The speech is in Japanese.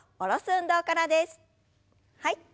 はい。